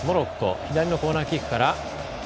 左のコーナーキックから。